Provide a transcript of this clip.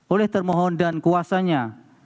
oleh termohon dan kuasanya